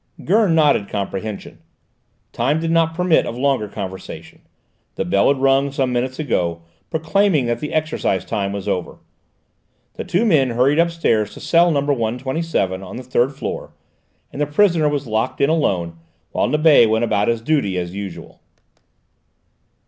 Gurn nodded comprehension. Time did not permit of longer conversation. The bell had rung some minutes ago, proclaiming that the exercise time was over. The two men hurried upstairs to cell number 127 on the third floor, and the prisoner was locked in alone, while Nibet went about his duty as usual.